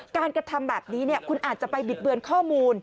กระทำแบบนี้คุณอาจจะไปบิดเบือนข้อมูล